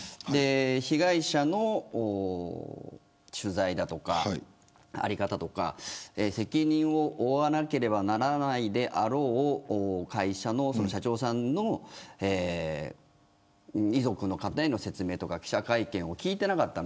被害者の取材だとか在り方とか責任を負わなければならないであろう会社の社長さんの遺族の方への説明や記者会見を聞いていなかった。